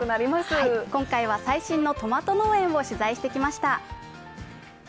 今回は最新のトマト農園を取材してきました。